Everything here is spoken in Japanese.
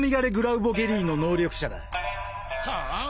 はあ？